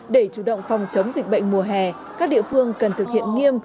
để chủ động phòng chống dịch bệnh mùa hè các địa phương cần thực hiện nghiêm